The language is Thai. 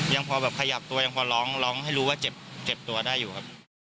ยังพอแบบขยับตัวยังพอร้องร้องให้รู้ว่าเจ็บตัวได้อยู่ครับ